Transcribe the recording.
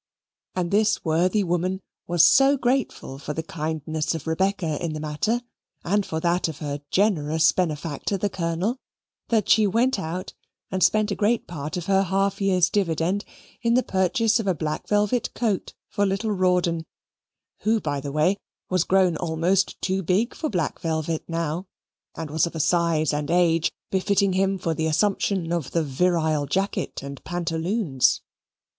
And this worthy woman was so grateful for the kindness of Rebecca in the matter, and for that of her generous benefactor, the Colonel, that she went out and spent a great part of her half year's dividend in the purchase of a black velvet coat for little Rawdon, who, by the way, was grown almost too big for black velvet now, and was of a size and age befitting him for the assumption of the virile jacket and pantaloons.